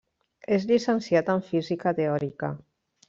És llicenciat en Física teòrica.